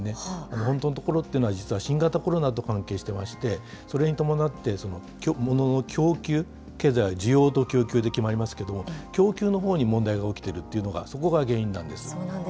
本当のところというのは、実は新型コロナと関係していまして、それに伴って、モノの供給、経済は需要と供給で決まりますけれども、供給のほうに問題が起きているというのが、そこが原因なんです。